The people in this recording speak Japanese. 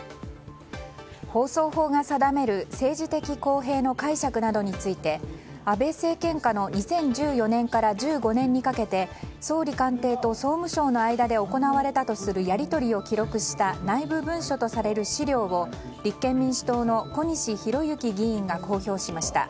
放送法が定める政治的公平性の解釈などについて安倍政権下の２０１４年から１５年にかけて総理官邸と総務省の間で行われたとするやり取りを記録した内部文書とされる資料を立憲民主党の小西洋之議員が公表しました。